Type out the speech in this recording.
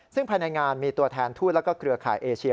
ซึ่งภายในงานมีตัวแทนทูตแล้วก็เครือข่ายเอเชีย